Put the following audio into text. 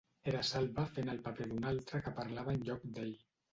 Era Salva fent el paper d'un altre que parlava en lloc d'ell.